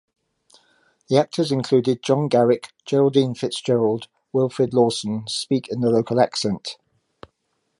The actors included John Garrick, Geraldine Fitzgerald, Wilfrid Lawson speak in the local accent.